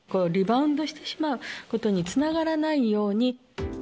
リバウンドしてしまうことにつながらないように。